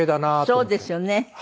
そうですよね。